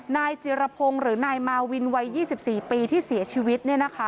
นายจิรพงศ์หรือนายมาวินวัย๒๔ปีที่เสียชีวิต